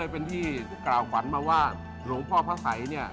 เป็นที่กล่าวฝันมาว่าหลวงพ่อพระสัยเนี่ย